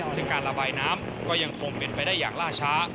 ซึ่งการระบายน้ำก็ยังคงเป็นไปได้อย่างล่าช้า